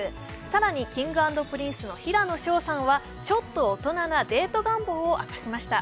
更にＫｉｎｇ＆Ｐｒｉｎｃｅの平野紫耀さんはちょっと大人なデート願望を明かしました。